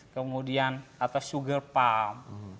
kemudian atau sugar palm